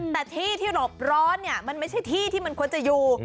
แต่ที่ที่หลบร้อนเนี่ยมันไม่ใช่ที่ที่มันควรจะอยู่